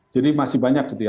jadi masih banyak gitu ya